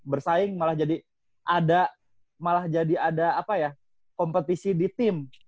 bersaing malah jadi ada malah jadi ada kompetisi di tim